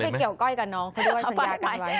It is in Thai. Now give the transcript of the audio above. ต้องไปเกี่ยวก้อยกันเนาะเพราะด้วยสัญญากันไว้